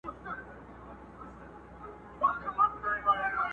چی یې مرگ نه دی منلی په جهان کي!!